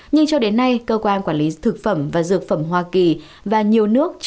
nhưng cho đến nay cơ quan quản lý thực phẩm và dược phẩm hoa kỳ và nhiều nước